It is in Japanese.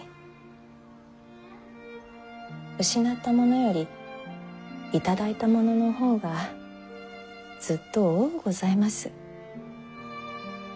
失ったものより頂いたものの方がずっと多うございます。